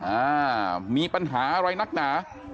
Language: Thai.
อ่ามีปัญหาอะไรนักหนา